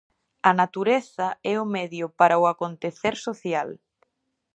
A natureza é o medio para o acontecer social.